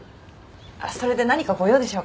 それで何かご用でしょうか？